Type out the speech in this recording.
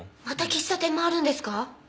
また喫茶店回るんですか？